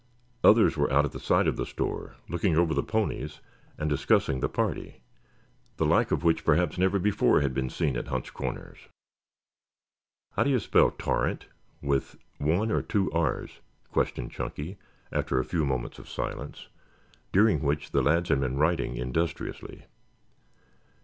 Others were out at the side of the store, looking over the ponies and discussing the party, the like of which perhaps never before had been seen at Hunt's Corners. "How do you spell torrent, with one or two r's?" questioned Chunky after a few moments of silence, during which the lads had been writing industriously.